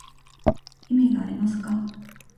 意味がありますか